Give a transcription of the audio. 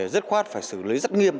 rất khoát phải xử lý rất nghiêm